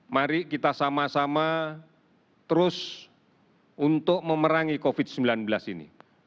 mari kita sama sama terus untuk memerangi covid sembilan belas ini